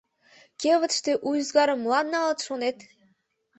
Кевытыште у ӱзгарым молан налыт, шонет?